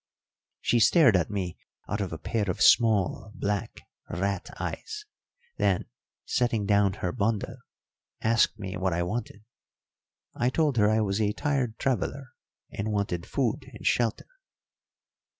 She stared at me out of a pair of small black rat eyes, then, setting down her bundle, asked me what I wanted. I told her I was a tired traveller, and wanted food and shelter.